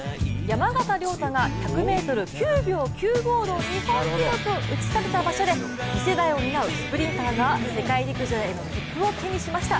山縣亮太が１００ｍ９秒９５の日本記録を打ち立てた場所で次世代を担うスプリンターが世界陸上への切符を手にしました。